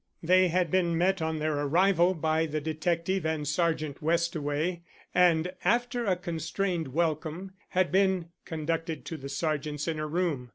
They had been met on their arrival by the detective and Sergeant Westaway, and after a constrained welcome had been conducted to the Sergeant's inner room.